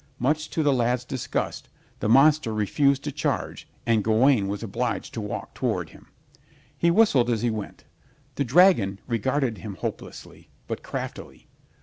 Much to the lad's disgust, the monster refused to charge and Gawaine was obliged to walk toward him. He whistled as he went. The dragon regarded him hopelessly, but craftily.